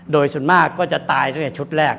โดยส่วนมากก็จะตายตั้งแต่ชุดแรก